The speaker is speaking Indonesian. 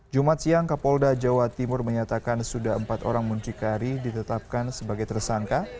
jumat siang kapolda jawa timur menyatakan sudah empat orang muncikari ditetapkan sebagai tersangka